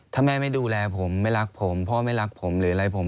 ถ้าแม่ไม่ดูแลผมไม่รักผมพ่อไม่รักผมหรืออะไรผม